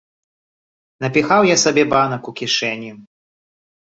Напіхаў я сабе банак у кішэні.